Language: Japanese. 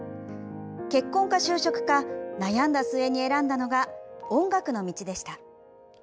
結婚か就職か悩んだ末に選んだのが、音楽の道でした。